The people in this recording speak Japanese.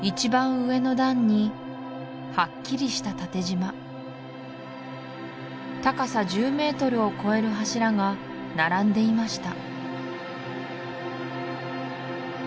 上の段にはっきりした縦じま高さ１０メートルを超える柱が並んでいました